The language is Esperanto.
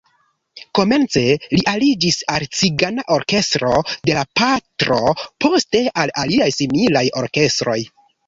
Komence li aliĝis al cigana orkestro de la patro, poste al aliaj similaj orkestroj.